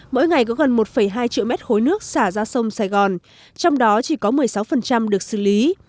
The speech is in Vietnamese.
mỗi ngày có gần một hai triệu mét khối nước xả ra sông sài gòn trong đó chỉ có một mươi sáu được xử lý